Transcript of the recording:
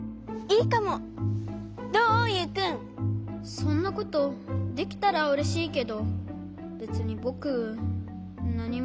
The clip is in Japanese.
そんなことできたらうれしいけどべつにぼくなにも。